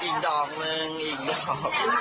ผิดเป็นสีหรอก